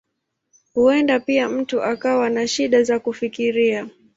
Huenda pia mtu akawa na shida za kufikiria.